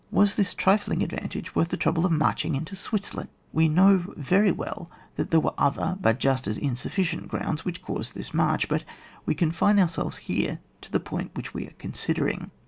Was this trifling advantage worth the trouble of marching into Switzerland ?— ^We know very well that there were other (but just as insufficient) grounds which caused this march ; but we confine ourselves here to the point which we are considering.